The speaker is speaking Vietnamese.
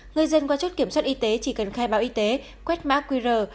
người dân qua chốt kiểm soát y tế chỉ cần khai báo y tế quét mã qr